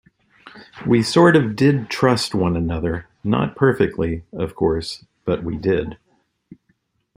We sort of did trust one another, not perfectly, of course, but we did.